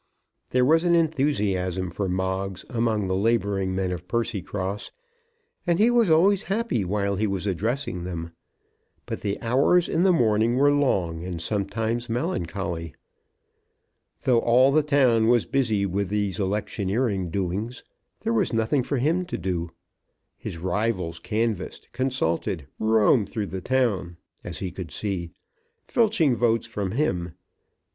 There was an enthusiasm for Moggs among the labouring men of Percycross, and he was always happy while he was addressing them. But the hours in the morning were long, and sometimes melancholy. Though all the town was busy with these electioneering doings, there was nothing for him to do. His rivals canvassed, consulted, roamed through the town, as he could see, filching votes from him.